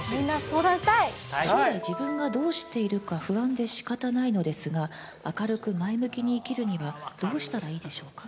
将来、自分がどうしているか不安でしかたないのですが、明るく前向きに生きるにはどうしたらいいでしょうか。